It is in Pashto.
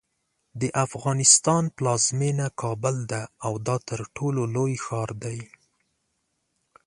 د افغانستان پلازمینه کابل ده او دا ترټولو لوی ښار دی.